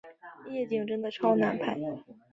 夜景真的超难拍